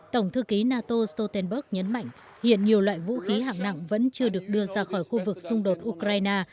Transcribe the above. tổng thư ký nato stoltenberg nhấn mạnh hiện nhiều loại vũ khí hạng nặng vẫn chưa được đưa ra khỏi khu vực xung đột ukraine